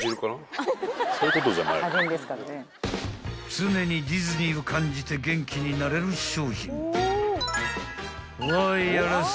［常にディズニーを感じて元気になれる商品］